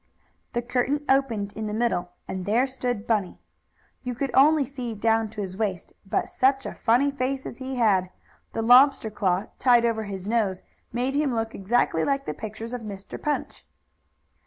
The curtain opened in the middle, and there stood Bunny. You could only see down to his waist, but such a funny face as he had! The lobster claw, tied over his nose, made him look exactly like the pictures of Mr. Punch.